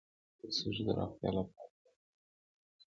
د سږو د روغتیا لپاره له لوګي لرې اوسئ